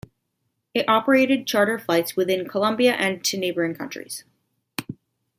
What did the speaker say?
It operated charter flights within Colombia and to neighbouring countries.